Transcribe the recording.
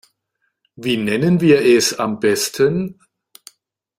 Wie nennen wir es am besten?